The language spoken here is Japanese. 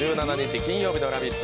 金曜日の「ラヴィット！」